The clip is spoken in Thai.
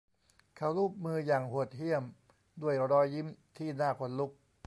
เขาลูบมืออย่างโหดเหี้ยมด้วยรอยยิ้มที่น่าขนลุก